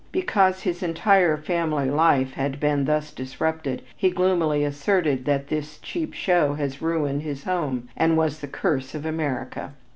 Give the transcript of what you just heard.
Because his entire family life had been thus disrupted he gloomily asserted that "this cheap show had ruined his 'ome and was the curse of America."